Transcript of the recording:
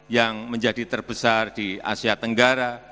yang menjadi terbesar di asia tenggara